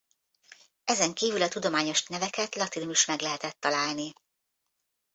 Ezen kívül a tudományos neveket latinul is meg lehetett találni.